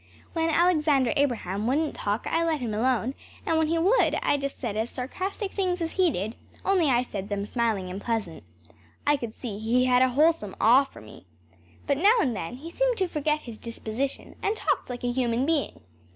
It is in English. When Alexander Abraham wouldn’t talk I let him alone; and when he would I just said as sarcastic things as he did, only I said them smiling and pleasant. I could see he had a wholesome awe for me. But now and then he seemed to forget his disposition and talked like a human being.